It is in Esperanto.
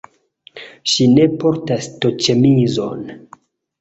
Ŝi ne portas to-ĉemizon